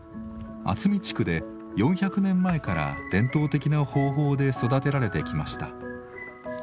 温海地区で４００年前から伝統的な方法で育てられてきました。